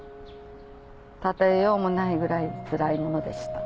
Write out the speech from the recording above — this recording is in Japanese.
例えようもないぐらいつらいものでした。